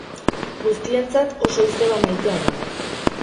Guztientzat oso izeba maitea da.